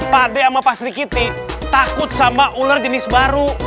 pakde sama pas dikit nih takut sama ular jenis baru